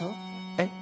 えっ？